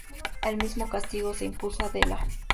El mismo castigo se impuso Adela.